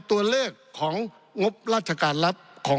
ปี๑เกณฑ์ทหารแสน๒